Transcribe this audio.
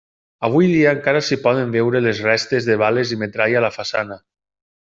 Avui dia encara s'hi poden veure les restes de bales i metralla a la façana.